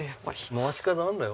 回し方あるんだよ。